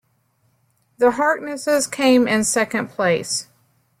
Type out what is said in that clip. The Harkness' came in second place.